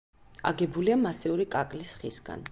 აგებულია მასიური კაკლის ხისგან.